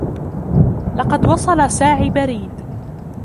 لقد وصل ساعی برید.